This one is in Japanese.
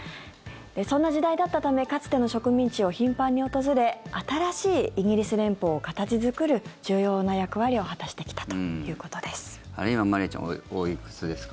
そんな時代だったためかつての植民地を頻繁に訪れ新しいイギリス連邦を形作る重要な役割を果たしてきたということです。